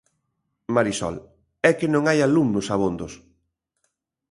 Marisol: É que non hai alumnos abondos.